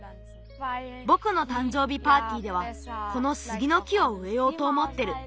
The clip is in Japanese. ぼくのたんじょうびパーティーではこのスギの木をうえようとおもってる。